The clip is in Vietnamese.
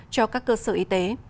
cho các cơ sở y tế